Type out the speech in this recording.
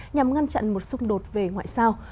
nhằm ngăn chặn một xung đột về ngoại giao